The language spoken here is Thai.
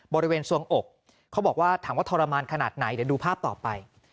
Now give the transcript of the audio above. บริเวณสวงอกเขาบอกว่าถามว่าทรมานขนาดไหนเดี๋ยวดูภาพต่อไป